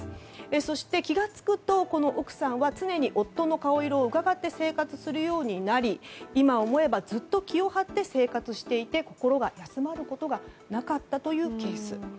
そして、気がつくと奥さんは常に夫の顔色をうかがって生活するようになり、今思えばずっと気を張って生活をしていて心が休まることがなかったというケース。